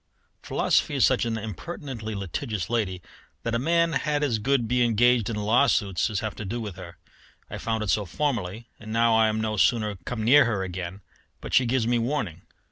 Philosophy is such an impertinently litigious lady that a man had as good be engaged in law suits as have to do with her. I found it so formerly, and now I am no sooner come near her again but she gives me warning.